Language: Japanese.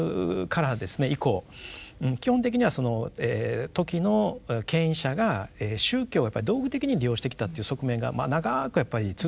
以降基本的には時の権威者が宗教をやっぱり道具的に利用してきたっていう側面が長くやっぱり続いてきてますよね。